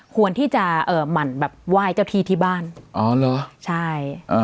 ควรที่จะเอ่อหมั่นแบบไหว้เจ้าที่ที่บ้านอ๋อเหรอใช่อ่า